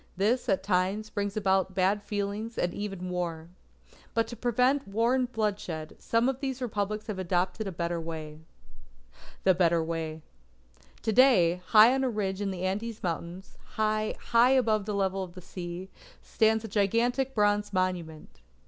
This at times, brings about bad feeling, and even war. But to prevent war and bloodshed, some of these Republics have adopted a better way. THE BETTER WAY To day, high on a ridge of the Andes Mountains, high, high above the level of the sea, stands a gigantic bronze monument.